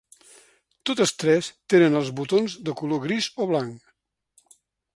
Totes tres tenen els botons de color gris o blanc.